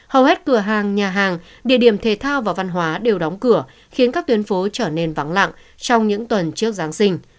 hầu hết cửa hàng nhà hàng địa điểm thể thao và văn hóa đều đóng cửa khiến các tuyến phố trở nên vắng lặng trong những tuần trước giáng sinh